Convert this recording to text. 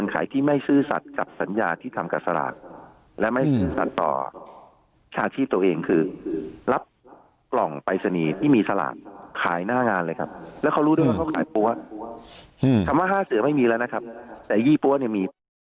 คำว่า๕เสือไม่มีแล้วนะครับแต่๒๐บาทเนี่ยมี